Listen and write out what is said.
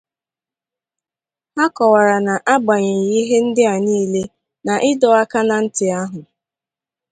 ha kọwara na n'agbanyeghị ihe ndị a niile na ịdọ aka na ntị ahụ